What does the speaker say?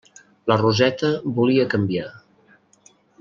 La Roseta volia canviar.